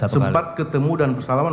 sempat ketemu dan bersalaman